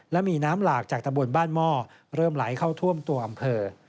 และมีน้ำหลากจากตำบลบ้านหม้อเริ่มไหลเข้าท่วมตัวอำเภอ